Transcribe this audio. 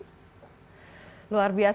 luar biasa sekali ya kreatifitasnya